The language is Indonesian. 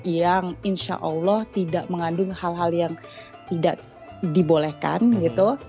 yang insya allah tidak mengandung hal hal yang tidak dibolehkan gitu